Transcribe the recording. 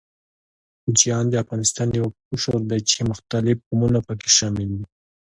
کوچيان د افغانستان يو قشر ده، چې مختلف قومونه پکښې شامل دي.